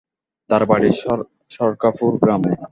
তাঁর বাড়ি সরকাপুর গ্রামে।